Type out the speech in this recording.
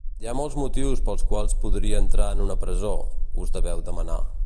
Hi ha molts motius pels quals podria entrar en una presó, us deveu demanar.